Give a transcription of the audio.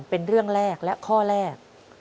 เป็นเรื่องแรกและข้อแรก